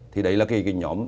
thì đấy là cái nhóm